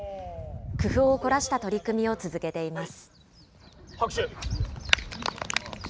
工夫を凝らした取り組みを続けています。